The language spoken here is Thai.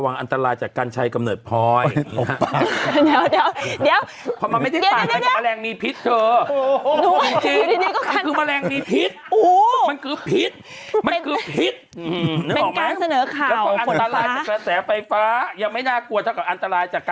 แก้อันตรายจากกันใช่กำเนิดพล่อยนะฮะ